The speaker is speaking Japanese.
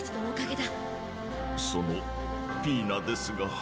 そのピイナですが。